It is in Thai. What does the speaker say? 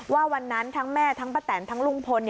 ว่าวันนั้นทั้งแม่ทั้งป้าแตนทั้งลุงพล